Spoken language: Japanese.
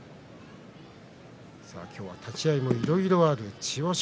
今日は立ち合いもいろいろある千代翔